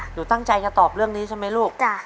หนูตั้งใจจะตอบเรื่องนี้ใช่ไหมลูก